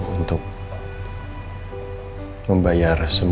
kamu untuk bersepakat egosistem